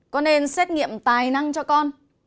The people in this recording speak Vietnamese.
có nên xét nghiệm tài năng cho con